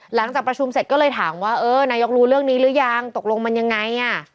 หลังจากประชุมเสร็จก็เลยถามว่าเออนายกรู้เรื่องนี้หรือยังตกลงมันยังไงอ่ะ